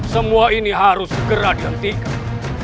semua ini harus segera dihentikan